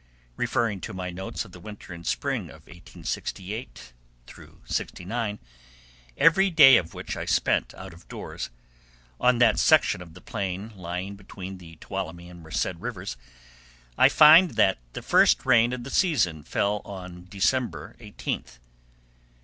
Referring to my notes of the winter and spring of 1868 69, every day of which I spent out of doors, on that section of the plain lying between the Tuolumne and Merced rivers, I find that the first rain of the season fell on December 18th.